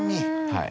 はい。